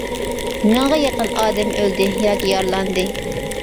مىڭغا يېقىن ئادىمى ئۆلدى ياكى يارىلاندى.